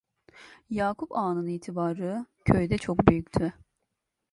Yakup Ağa'nın itibarı köyde çok büyüktü.